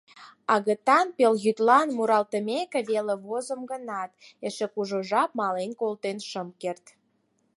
Агытан пелйӱдлан муралтымеке веле возым гынат, эше кужу жап мален колтен шым керт.